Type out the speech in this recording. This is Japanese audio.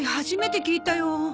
初めて聞いたよ。